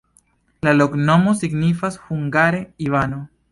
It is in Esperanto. La loknomo signifas hungare: Ivano.